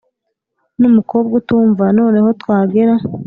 Numukobwa utumva noneho twagera